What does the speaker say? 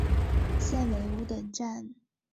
现为五等站。